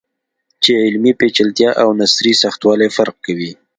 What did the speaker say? چې علمي پیچلتیا او نثري سختوالی فرق کوي.